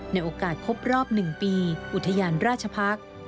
ในโอกาสครบรอบ๑ปีอุทยานราชพักษ์